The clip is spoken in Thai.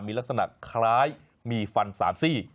มีลักษณะคล้ายมีฟัน๓ซี่